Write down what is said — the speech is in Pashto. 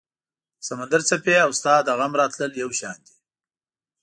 د سمندر څپې او ستا د غم راتلل یو شان دي